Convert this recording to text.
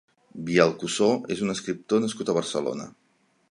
Biel Cussó és un escriptor nascut a Barcelona.